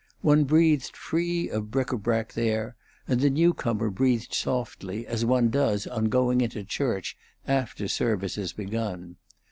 One breathed free of bric a brac there, and the new comer breathed softly as one does on going into church after service has begun.